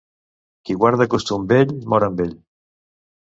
Qui guarda costum vell, mor amb ell.